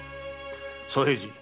左平次